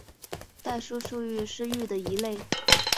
代数数域是域的一类。